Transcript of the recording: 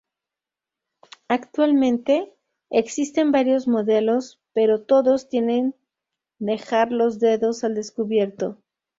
Actualmente, existen varios modelos, pero todos tienen dejar los dedos al descubierto.